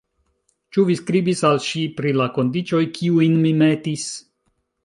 Ĉu vi skribis al ŝi pri la kondiĉoj, kiujn mi metis?